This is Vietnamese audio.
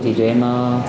thì tụi em